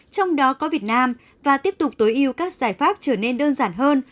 trong đó có việt nam và tiếp tục tối ưu các giải pháp trở nên đơn giản hơn